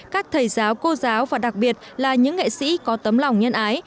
các thầy giáo cô giáo và đặc biệt là những nghệ sĩ có tấm lòng nhân ái